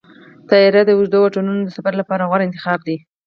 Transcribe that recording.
طیاره د اوږدو واټنونو سفر لپاره غوره انتخاب دی.